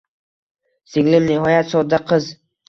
Singlim nihoyat sodda qiz